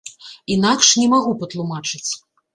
Інакш не магу патлумачыць.